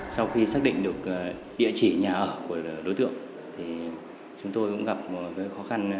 sau khi xác định được địa chỉ nhà ở của đối tượng thì chúng tôi cũng gặp một cái khó khăn nhất định